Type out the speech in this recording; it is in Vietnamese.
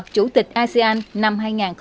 chủ tịch asean năm hai nghìn một mươi sáu